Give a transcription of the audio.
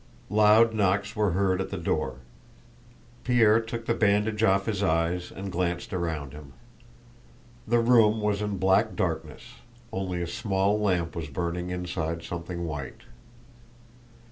Loud knocks were heard at the door. Pierre took the bandage off his eyes and glanced around him. The room was in black darkness, only a small lamp was burning inside something white.